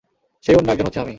সেই অন্য একজন হচ্ছি আমি।